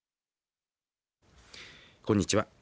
こんにちは。